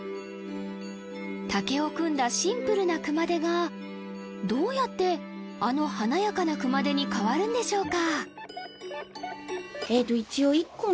竹を組んだシンプルな熊手がどうやってあの華やかな熊手に変わるんでしょうか？